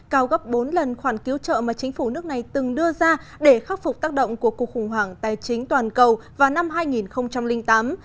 cao gấp bốn lần khoản cứu trợ mà chính phủ nước này từng đưa ra để khắc phục tác động của cuộc khủng hoảng tài chính toàn cầu vào năm hai nghìn tám